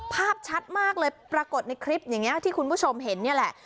ภาพชัดมากเลยปรากฏในคลิปอย่างนี้ที่คุณผู้ชมเห็นนี่แหละ